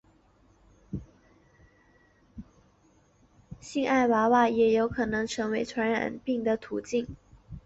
性爱娃娃也可能成为性病传染的途径。